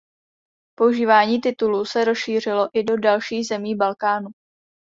Používání titulu se rozšířilo i do dalších zemí Balkánu.